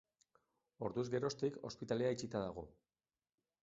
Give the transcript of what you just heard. Orduz geroztik ospitalea itxita dago.